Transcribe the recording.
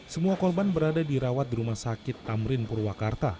semua korban berada dirawat di rumah sakit tamrin purwakarta